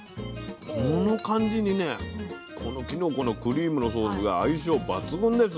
この感じにねこのきのこのクリームのソースが相性抜群ですね。